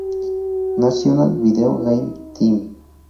National Video Game Team.